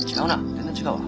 全然違うわ。